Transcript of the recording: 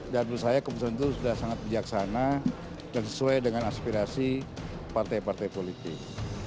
dan menurut saya keputusan itu sudah sangat bijaksana dan sesuai dengan aspirasi partai partai politik